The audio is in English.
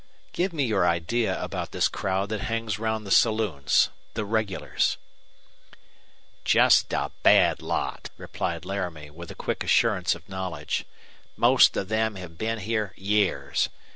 "Give me your idea about this crowd that hangs round the saloons the regulars." "Jest a bad lot," replied Laramie, with the quick assurance of knowledge. "Most of them have been here years.